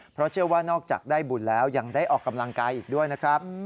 เพราะเชื่อว่านอกจากได้บุญแล้วยังได้ออกกำลังกายอีกด้วยนะครับ